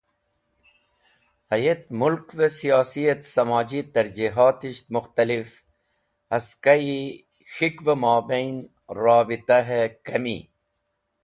Hayet mulkve siyosi et samoji terjihatisht Mukhtalif, haskayi K̃hikve mobain robtahe kami.